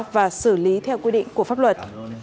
và xử lý theo quy định của pháp luật